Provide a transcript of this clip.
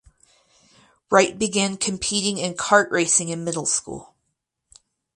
Wright began competing in kart racing in middle school.